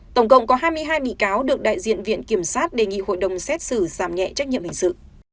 tổng cộng có hai mươi hai bị cáo được đại diện viện kiểm sát đề nghị hội đồng xét xử giảm nhẹ trách nhiệm hình sự